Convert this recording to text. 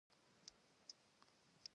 دولس منه بتکۍ غواړي دا یوه بهانه ده.